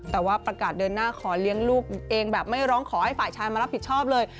แต่ว่าประกาศเดินหน้าขอเลี้ยงลูกเองแบบไม่ร้องขอให้ฝ่ายชายมารับผิดชอบเลย